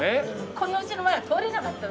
この家の前は通れなかったの。